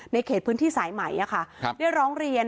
ในเขตพื้นที่สายใหม่นะคะครับได้ร้องเรียน